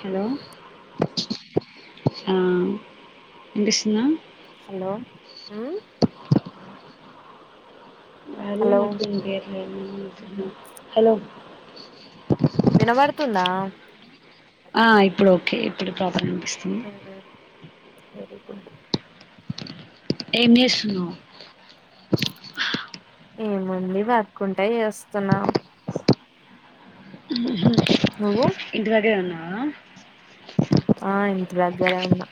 Hello ఆ విన్పిస్తుందా hello హ్మ్ హలో [inaudible] హలో వినబడుతుందా ఆ ఇప్పుడు [inaudible] [inaudible] [inaudible] ఏం చేస్తున్నావ్ ఏముంది వర్క్ ఉంటే చేస్తున్న నువ్వు ఇంటి దగ్గరె ఉన్నావా ఆ ఇంటి దగ్గరే ఉన్నా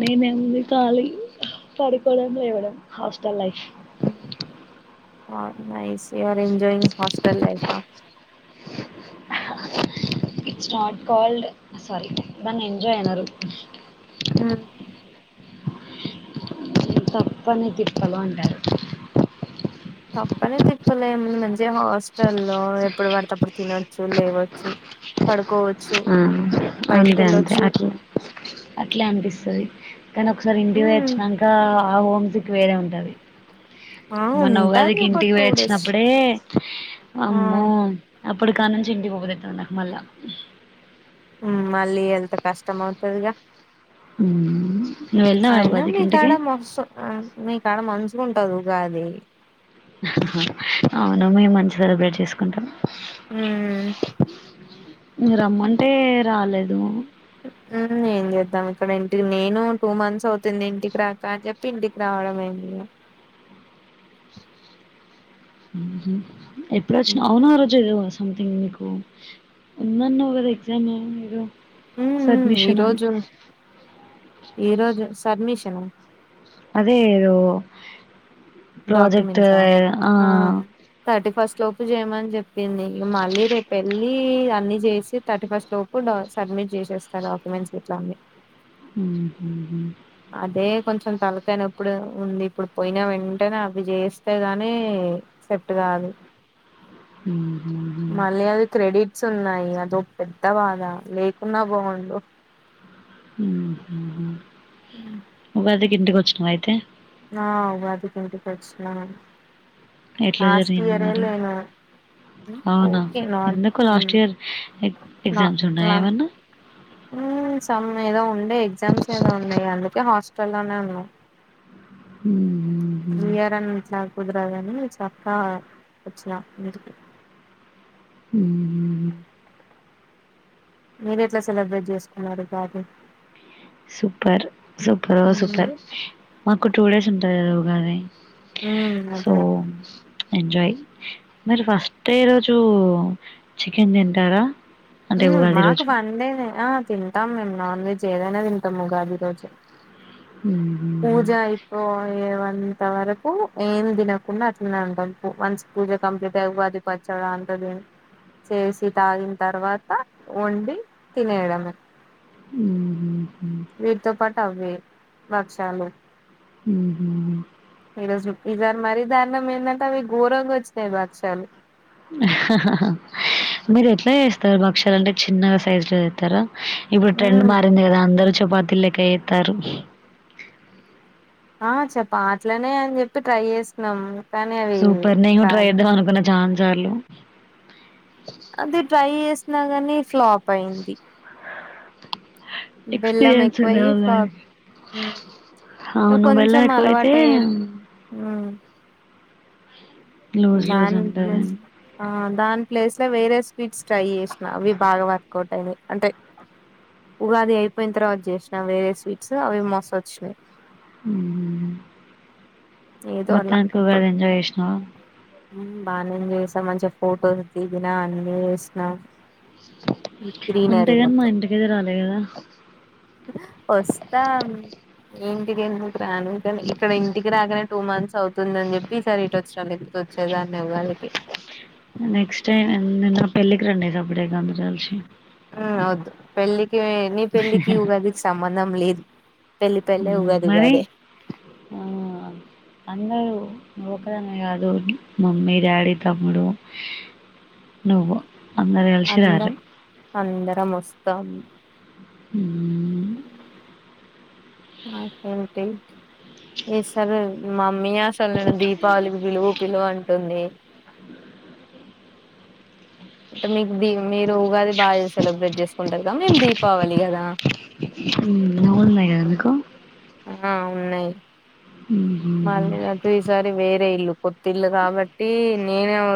నేనే ఎది ఖాలీ పడుకోవడం లేవ్వడం hostel life nice enjoying hostel life it's not called sorry దాన్న ఎంజాయ్ అన్నారు హ్మ్ తప్పనే తిప్పలో అంటారు తప్పనే తిప్పలేముందు మంచిగా హాస్టల్లో ఎప్పుడు పడితేప్పుడు తినొచ్చు లేవచ్చు పడుకో ఆ అంతే అంతే అట్లే అట్లా అనిపిస్తుది కానీ ఒకసారి ఇంటి వచ్చినాక ఆ హోమ్స్కి వేరే ఉంటది ఆ మొన్న ఉంటది ఉగాదికి ఒక ఇంటికి టూ డేస్ వేచ్చినప్పుడే అమ్మో అప్పుడు కానుచీ ఇంటికి పోపుతతుంది మల్ల మళ్ళీ ఎళ్ంత కష్టం అవుతుదిగా ఉ అయినా మీకాడ మస మీకాడ మనసు కుంటరు ఉగాది అవును మేము మంచి సెలబ్రేట్ చేసుకుంటాం ఊ ఊ ఉ రమ్మంటే రాలేదు ఊ ఏం చేద్దాం ఇక్కడ ఇంటికి నేను టూ మంత్స్ అవుతుంది ఇంటికి రాక అని చెప్పి ఇంటికి రావడం ఐంది ఇగ ఊహు ఎప్పుడు ఉమ్ వచ్చినవ్ అవును ఆ రోజు ఏదో అస్ సంథింగ్ మీకు ఉందన్నవు కదా ఎగ్జామ్ మీరు ఊ ఊ ఈరోజు ఈరోజు సడ్మిష్ ఏమో అదే ఏదో ప్రాజెక్ట్ ఏ డాక్యుమెంట్సా ఆ థర్టీ ఫస్ట్ లోపు చేయమని చెప్పింది మళ్ళీ రేపు వెళ్ళి అన్ని చేసి థర్టీ ఫస్ట్ లోపు డ సబ్మిట్ చేసేస్తారు డాక్యుమెంట్స్ ఇట్లన్ని ఊహు హు అదే కొంచెం తలకయినప్పుడు ఉంది ఇప్పుడు పోయిన వెంటనే అవి చేస్తే గాని సెఫ్ట్ కాదు ఊ మళ్ళయది క్రెడిట్ క్స్ ఉన్నాయి అదో పెద్ద బాధ లేకున్నా బాగుండు ఊహు ఉగాదిక్ ఇంటికి కొచ్చినవ అయితే ఆ వదికి ఇంటి కొచ్చినన్ ఎట్లా లాస్ట్ జరిగింది ఇయర్ ఏ మరి లేను ఉ అవునా? ఓకే నార్ ఎందుకు ఉ లాస్ట్ ఇయర్ ఎ న ఎగ్జామ్స్ ఉన్నాయా న ఏమన్నా? ఊ సమ్ ఏదో ఉండే ఎగ్జామ్స్ ఏదో ఉన్నాయి అందుకే హాస్టల్ లోనే ఉన్నా ఊ ఈ ఇయరన్ ఇట్లా కుదరదని చక్క వచ్చినా ఇంటికి ఊ హు మీరు ఎట్లా సెలబ్రేట్ చేసుకున్నారు కాపు సూపర్ సూపరో సూపర్ మాకు టూ డేస్ ఉంట ఏ ఉగాది మ్మ్ అదే సోమ్స్ ఎంజాయ్ మీరు ఫస్ట్ ఏ రోజు చికెన్ తింటారా అంటే ఊ ఉగాది మాకు రోజు. బండేనే ఆ తింటాం మేము నాన్ వెజ్ చేదానా తింటాం ముగాది రోజు హుహుహు. పూజ అయిపో ఏవర అంత వరకు ఏం తినకుండా అట్నే ఉంటాం వన్స్ పూజ కంప్లీట్ అయి ఉగాది పచ్చడ అంత దిని చేసి తాగిన తర్వాత వండి తినేయడమే ఊహు వీర్ తో పాటు అవి బక్షాలు మ్! హూ! ఈ రోజు ఈ సారి మరీ దారుణం. ఏందంటే అవి ఘోరంగా వచ్చినాయి బక్షాలు. మీరు ఎట్లా చేస్తారు? బక్షాలు అంటే చిన్నగా సైజు లో చేస్తారా? ఇప్పుడు ట్రెండ్ మ్మ్ మారింది కదా అందరు. చపాతిలక ఎత్తారు ఆ చెప్ప అట్లనే అని చెప్పి ట్రై చేసినాము. సూపర్ నేను కూడా ట్రైజేద్దాం అనుకున్నా. డార్లింగ్ అది ట్రై చేసినా గాని న ఫ్లాప్ అయింది. బెల్లం ఎక్స్‌పీరియన్స్ ఎక్కువ అయి ఉండాలి పాక్ దానికి. అవును. బెల్లం కొంచెం ఎక్కువైతే అలవాటు అయ్యే హ్మ్! లూజ్ లూజ్ నన్ ఉంటది. ప్లస్ [unintelligible] దాని ప్లేస్ లో వేరే స్వీట్స్ ట్రై చేసినా. అవి బాగా వర్కౌట్ అయినాయి. అంటే ఉగాది అయిపోయిన తర్వాత చేసినా వేరే స్వీట్స్ అవి మోస వచ్చినాయి. ఉమ్! ఏదో అలా మొత్తానికి అప్పుడు ఉగాది ఎంజాయ్ చేసినావ. బానే చేసాం అని చెప్పి మంచిగా ఫొటోస్ దిగినా అన్నీ చేసినా. అంతేగాని మా ఇంటికి అయితే రాలే కదా! వస్తా? ఏంటి తేను. రాను గాని ఇక్కడ ఇంటికి రాగానే టూ మంత్స్ అవుతుంది అని చెప్పి ఈ సారి ఇటు వచ్చాను. [unintelligible] ఉన్న దాని ఎవ్వలకి నెక్స్ట్ టైమ్ నా పెళ్ళికి రండి చప్పుడేక [inaudible] ఆ వద్దు పెళ్ళి. నీ పెళ్ళికి ఉగాదికి సంబంధం లేదు. పెళ్లి పెళ్ళే హ్మ్. ఉగాది మరి ఉగాదే. ఆ! అందరూ నువ్వు ఒక్క దానివే కాదు మమ్మీ, డాడీ, తమ్ముడు, నువ్వు. అందరు గలిసి అందా రార్రి. అందరమూ వస్తాం. త [unintelligible] ఉ [unintelligible] అంటే ఏంటి [unintelligible] మీయాసలు నిన్ను దీపావళికి పిలువు పిలువు అంటుంది. అంటే మీకు దీ మీరు ఉగాది బాగా సెలబ్రేట్ చేసుకుంటారు కదా! మేము దీపావళి కదా. హ్మ్! నోములు ఉన్నాయి కదా మీకు ఆ ఉన్నాయి హుహుహు. మళ్ళీ అటు ఈసారి వేరే ఇల్లు కొత్త ఇల్లు కాబట్టి నేనే ఉ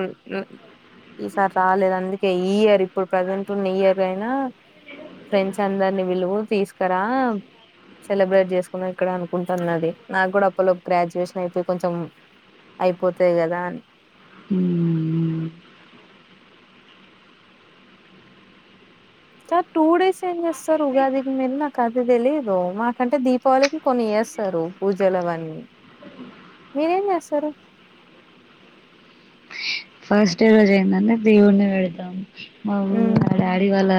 ఈసారి రాలేదు అందుకే ఈ ఇయర్ ఇప్పుడు ప్రజెంటూ ఉన్న ఈ ఇయర్ అయినా ఫ్రెండ్స్ అందరిని పిలువు తీసు ఇక్కడ సెలబ్రేట్ చేసుకుందాం ఇక్కడ అనుకుంటాన్నది నాకు కూడా అప్పట్లోపు గ్రాడ్యుయేషన్ అయిపోయి కొంచెం అయిపోతది కదా అని హామ్ కాదు టూ డేస్ ఏం చేస్తారు ఉగాదికి మీరు నాకు అది తెలీదు మాకంటే దీపావళికి కొన్ని చేస్తారు పూజలు అవన్నీ మీరేం చేస్తారు ఫస్ట్ డే రోజు ఏందీ అంటే దేవుడిని పెడతాం మమ్మి ఉమ్ మా డాడీ వాళ్ళ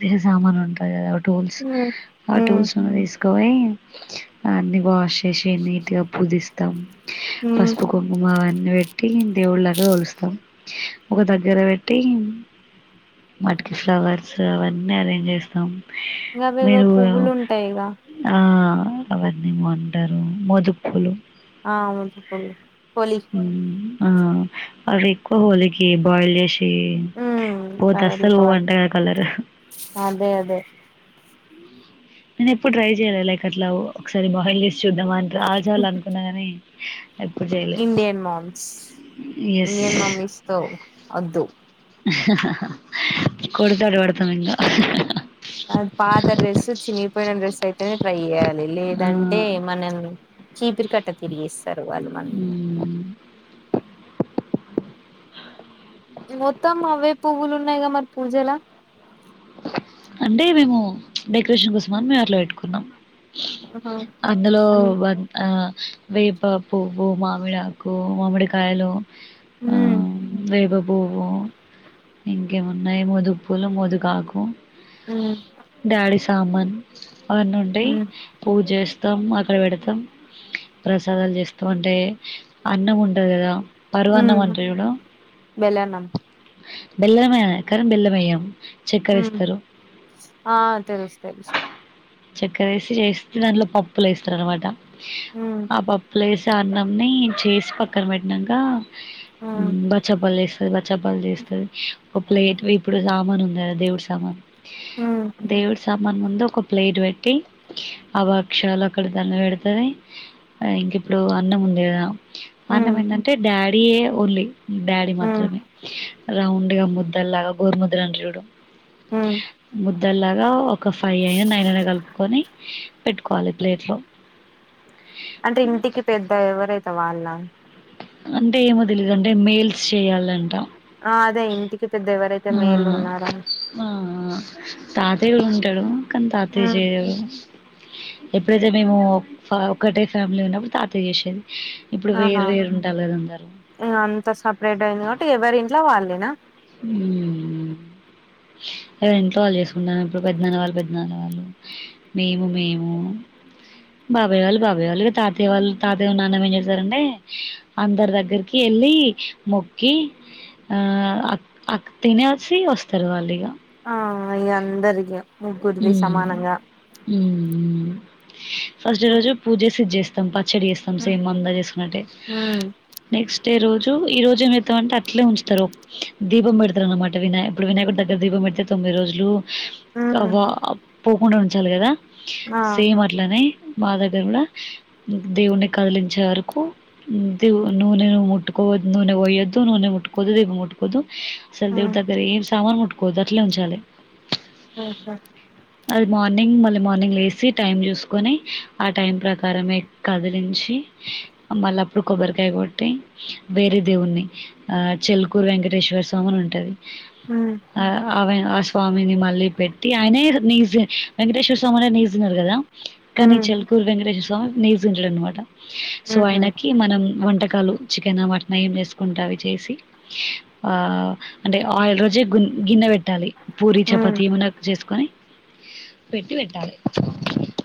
దేవుని సామాను ఉంటది కదా టూల్స్ ఉమ్ ఆ ఉమ్ టూల్స్ ను తీసు కపోయి అన్ని వాష్ జేసీ నీటిగా పూజి తం ఉమ్ పసుపు కుంకుమ అవ పెట్టి దేవుళ్లకు పోలుస్తాం ఒక దగ్గర పెట్టి వాటికి ఫ్లవర్స్ అవన్నీ అరేంజ్ చేస్తాం ఇంగ అవేవో మీరు పువ్వులు ఉంటాయి ఇగ ఆ ఆ వాటినేమో అంటారు మోదుకు పువ్వులు ఆ మోదుపులు పోలి హ్మ్. ఆ అవి ఎక్కువ హోలీ కి బాయిల్ చేసి ఉమ్ పోతే కలర్లు అస్సలు కవర్ పోవంటగా కలరు అదే అదే నేను ఎప్పుడు ట్రై చెయ్యాలే లైక్ అట్లా ఒకసారి బాయిల్ శుద్ధమంట రాజళ్ళు అనుకున్న ని ఆ [unintelligible] ఇండియన్ మామ్స్ ఎస్ ఇండియన్ మమ్మీస్తో అద్దు కొడతా అటు పడతము ఇంగ అది పాత డ్రెస్ చినిగిపోయిన డ్రెస్ అయితేనే ట్రై చేయాలి ఆ లేదంటే మనం చీపిరి కట్ట తిరిగిస్తారు వాళ్ళు మన మ్మ్. మొత్తం అవే పువ్వులు ఉన్నాయిగా మరి పూజలా అంటే మేము డెకరేషన్ కోసం అని మేము అట్ల పెట్టుకున్నాం ఆహా అందులో అన్ వ ఆ వేప పువ్వు మామిడాకు మామిడి కాయలు ఉమ్ పువ్వు ఇంకేమున్నాయి ముదు పూలు ముదుగాక్ కు ఉమ్ కామన్ అవన్నీ ఉంటాయ్ ఉమ్ పూజస్ తం అక్కడ పెడతాం ప్రసాదాలు చేస్తాం అంటే అన్నం ఉంటది కదా పరవాన్నం ఉమ్ అంటరు చూడు బెల్లన్నం బెల్లమే కాని బెల్లం వెయ్యం చక్కరెస్ ఉమ్ ఆ తెలుసు తెలుసు చక్కరేసి చేస్ దాంట్లో పప్పులు వేస్తారు అనమాట ఉమ్ ఆబ ప్లేస్ అన్నంని చేసి పక్కన పెట్టినంక ఉమ్ బచ్చ పలేస్ ఎవరు చప్పాలు చేస్తది ఒక ప్లేట్ వేపుడు సామాను ఆ దేవుడ్ తమ ఉమ్ దేవుడు సామాన్ ముందు ఒక ప్లేట్ పెట్టి ఆవాక్షారాలు అక్కడ దండ పెడుతది ఇంక ఇప్పుడు అన్నం ఉంది కదా ఉమ్ అన్నం ఏందంటే డాడ్ డియే ఓన్లీ డాడి ఉమ్ మాత్రమే రౌండ్ గా ముద్ద లాగా గోరుముద్దలు అంటరు చూడు ఉమ్ ద్దల్లాగా ఒక ఫైవ్ అయినా నైన్ అయినా కలుపుకొని పెట్టుకోవాలి ప్లేట్లో అంటే ఇంటికి పెద్ద ఎవరైత్ వాళ్ళ అంటే ఏమో తెలీదంట మెల్స్ చెయ్యలంట ఆ అదే ఇంటికి పెద్ద ఎవరైతే ఆ మేలు ఉన్నారో ఆ తాతయ్య ఉంటాడు. కానీ తాతయ్య ఉమ్ చేయరు ఎప్పుడైతే మేము ఒక్కటే ఫ్యామిలీ ఉన్నప్పుడు తాతయ్య చేసిండ్రు ఆహా అంత సపరేట్ అయింది కాబట్టి ఎవరింట్ల ట్ల వాళ్లేనా ఉ అదే ఇంట్లో వాళ్ళు చేసుకుంటాము ఇప్పుడు పెద్దనాన్న వాళ్ళు పెద్దనాన్న వాళ్ళు ఎవరి ఇంట్లో వాళ్ళు చేసుకున్నారు పెదనాన్న మేము మేము బాబాయ్య వాళ్ళు బాబాయ్య వాళ్ళు ఇగ తాతయ్య వాళ్ళు తాతయ్య నాన్న ఏం చేసారంటే అందరి దగ్గరికి వెళ్ళి మొక్కి ఆ అక్క తినే వచ్చి ఉచ్చుమ్ తెరవాలి ఆ అయ్య అందరికి ముగ్గురిది మ్మ్ సమానంగా మ్మ్ ఫస్ట్ ఉమ్ రోజు పూజేసి చేస్ తంపా చెడి చేస్తాం సేమ్ అందా చేసుకున్నట్టే నెక్స్ట్ రోజు ఈ రోజు మీతో ఉంటే అంటే అట్లే ఉంచుతరు దీపం పెడతరు అనమాట వినాయ్ ఇప్పుడు వినాయకుడు దగ్గర దీపం పెడితే తొమ్మిది రోజులు ఉమ్ కబా అబ్ పోకుండా ఉంచాలి కదా ఆ సేమ్ అట్లనే మా దగ్గర కూడా దేవుణి కదిలించే వరకు దవు నూనె ముట్టుకోద్దు నూనె పోయొద్దు నూనె ముట్టుకోవద్దు దేవు ముట్టుకోవద్దు. అసలు దేవుడు ఉమ్ దగ్గర పోయేసి సామాను ముట్టుకోవద్దు అట్లే ఉంచాలి. ఆహ అది మార్నింగ్ మళ్ళీ మార్నింగ్ లేసి టైం చూస్ కొని ఆ టైంల ప్రకారమే కదిలించి మళ్ళప్పుడు కొబ్బరికాయ కొట్టి వేరే దేవుణి చెల్కూరు వెంకటేశ్వర స్వామి అని ఉంటది. హ్మ్ ఆ అవే స్వామిని మళ్ళీ పెట్టి ఆయనే నజ వెంకటేశ్వర స్వామి నిజినారు కదా కానీ హ్మ్ చెల్కూరు వెంకటేశ్వర స్వామి నివసించాడు అన్నమాట సో ఊహూ ఆయనకి మనం మక్కలు చికెన్ మటన్ ఏం చేసుకుంటా అవి చేసి ఆ అంటే ఆయిల్ రోజే గిన్నె పెట్టాలి. పూరి హ్మ్ చపాతి ఏమన్న చేసుకొని పెట్టి పెట్టాలి.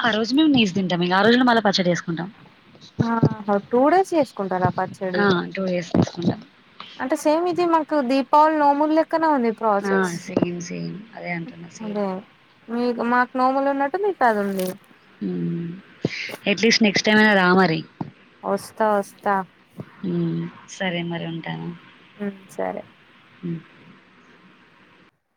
ఆ రోజు మేము నీస్ తింటాం ఆ రోజున మళ్ళీ పచ్చడి వేసుకుంటాం. ఆ టూ డేస్ చేసుకుంటారా పచ్చడి? ఉ అంటే సేమ్ ఇది మాకు దీపావళి నోములు క్కన ఉంది ఆ ప్రాసెస్ సేమ్ సేమ్ అదే అంటున్నా సేమ్ అదే మీ మాకు నోములు ఉన్నట్టు నీ కదుండి ఎట్లీస్ట్ నెక్స్ట్ టైమ్ అయినా రా మరి వస్తా వస్తా మ్ సరే మరి ఉంటాను. మ్ సరే అ